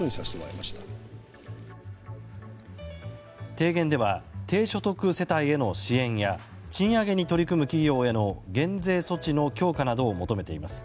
提言では低所得世帯への支援や賃上げに取り組む企業への減税措置の強化などを求めています。